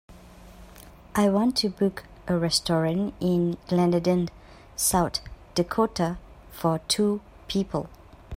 I want to book a restaurant in Glenarden South Dakota for two people.